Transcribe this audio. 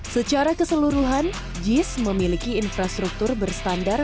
secara keseluruhan jis memiliki infrastruktur berstandar